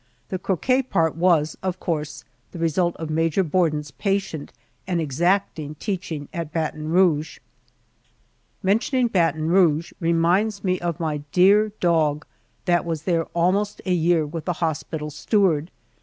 The croquet part was, of course, the result of Major Borden's patient and exacting teaching at Baton Rouge. Mentioning Baton Rouge reminds me of my dear dog that was there almost a year with the hospital steward.